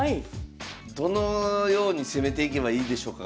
どのように攻めていけばいいでしょうか？